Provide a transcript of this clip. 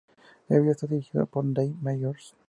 El video está dirigido por Dave Meyers.